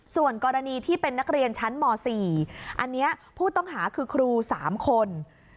ส่วนกรณีที่เป็นนักเรียนชั้นม๔อันนี้ผู้ต้องหาคือครู๓คน